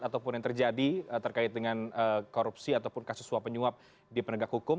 ataupun yang terjadi terkait dengan korupsi ataupun kasus suap penyuap di penegak hukum